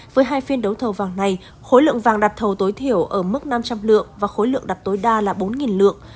với hai phiên đấu thầu vàng này khối lượng vàng đặt thầu tối thiểu ở mức năm trăm linh lượng và khối lượng đặt tối đa là bốn lượng